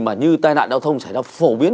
mà như tai nạn đào thông xảy ra phổ biến